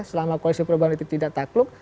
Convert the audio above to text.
selama koalisi perubahan itu tidak takluk